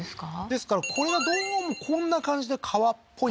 ですからこれがどうもこんな感じで川っぽいんですよ